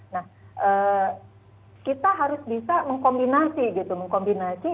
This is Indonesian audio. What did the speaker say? nah kita harus bisa mengkombinasi gitu mengkombinasi